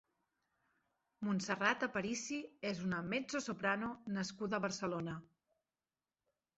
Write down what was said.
Montserrat Aparici és una mezzosoprano nascuda a Barcelona.